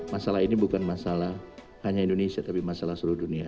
masalah ini bukan masalah hanya indonesia tapi masalah seluruh dunia